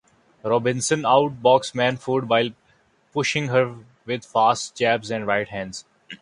Robinson outboxed Mahfood while punishing her with fast jabs and right hands.